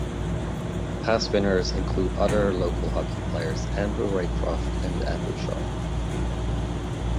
Past winners include other local hockey players Andrew Raycroft and Andrew Shaw.